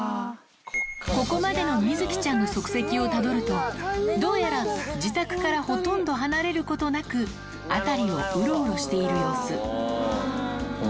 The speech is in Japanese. ここまでのみづきちゃんの足跡をたどると、どうやら、自宅からほとんど離れることなく、辺りをうろうろしている様子。